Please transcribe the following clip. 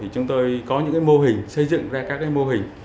chúng tôi có những mô hình xây dựng ra các mô hình